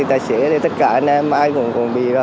tất cả anh em ai cũng bị